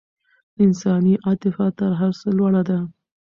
انساني عاطفه تر هر څه لوړه ده.